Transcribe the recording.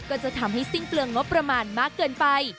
ก็จะทำให้สิ้นเปลืองงบประมาณมากเกินไป